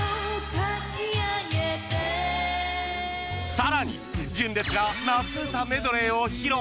更に、純烈が夏うたメドレーを披露！